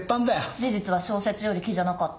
事実は小説より奇じゃなかった。